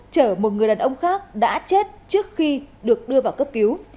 chở một người đàn ông khác đã chết trước khi được đưa vào cấp cứu